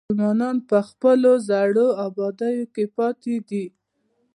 مسلمانان په خپلو زړو ابادیو کې پاتې دي.